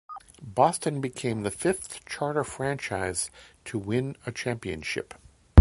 Boston became the fifth charter franchise to win a championship.